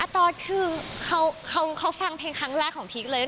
ตอสคือเขาฟังเพลงครั้งแรกของพีคเลย